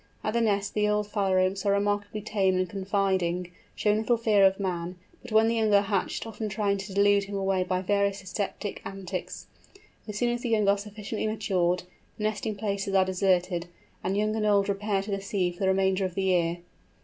At the nest the old Phalaropes are remarkably tame and confiding, showing little fear of man, but when the young are hatched often trying to delude him away by various deceptive antics. As soon as the young are sufficiently matured, the nesting places are deserted, and young and old repair to the sea for the remainder of the year.